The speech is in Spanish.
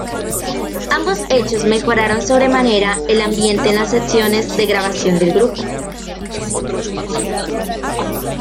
Ambos hechos mejoraron sobremanera el ambiente en las sesiones de grabación del grupo.